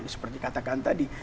seperti katakan tadi